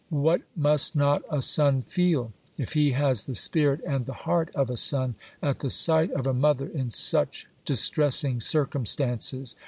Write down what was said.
What must not a son feel, if he has the spirit and the heart of a son, at the sight of a mother in such distressing circumstances